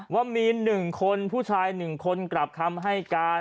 ว่ามี๑คนผู้ชาย๑คนกลับคำให้การ